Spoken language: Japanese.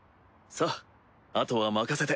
さああとは任せて。